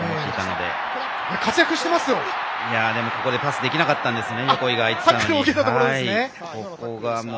でも、ここでパスできなかったんですよね。